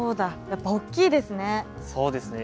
やっぱ大きいですね。